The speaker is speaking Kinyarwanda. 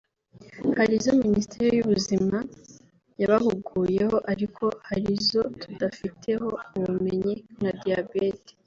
hari izo Minisiteri y’ubuzima yabahuguyeho ariko hari izo tudafiteho ubumenyi nka diyabete